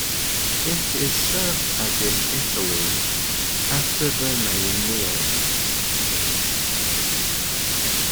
It is served as in Italy, after the main meals.